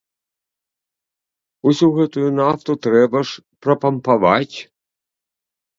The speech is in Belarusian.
Усю гэтую нафту трэба ж прапампаваць!